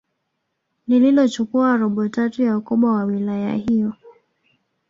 lililochukua robo tatu ya ukubwa wa wilaya hiyo